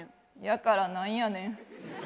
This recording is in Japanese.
やから何やねん。